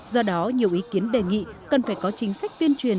do đó nhiều ý kiến đề nghị cần phải có chính sách tuyên truyền